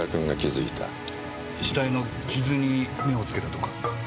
死体の傷に目をつけたとか。